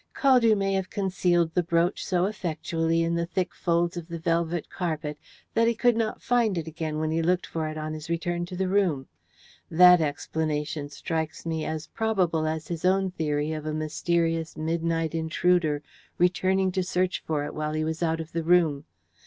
Caldew may have concealed the brooch so effectually in the thick folds of the velvet carpet that he could not find it again when he looked for it on his return to the room. That explanation strikes me as probable as his own theory of a mysterious midnight intruder returning to search for it while he was out of the room.